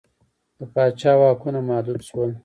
د پاچا واکونه محدود شول.